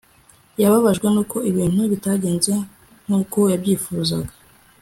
yababajwe nuko ibintu bitagenze nkuko yabyifuzaga